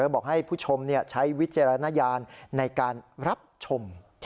บอกให้ผู้ชมใช้วิจารณญาณในการรับชม